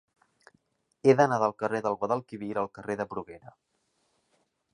He d'anar del carrer del Guadalquivir al carrer de Bruguera.